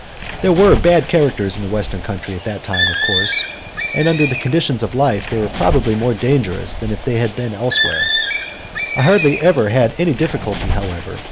There were bad characters in the Western country at that time, of course, and under the conditions of life they were probably more dangerous than they would have been elsewhere. I hardly ever had any difficulty, however.